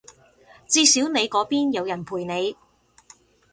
至少你嗰邊有人陪你